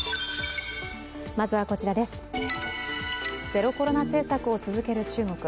ゼロコロナ政策を続ける中国。